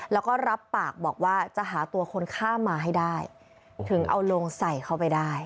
แล้วก็รับปากบอกว่าจะหาตัวคนข้ามมาให้ได้ถึงเอาลงใส่เข้าไปได้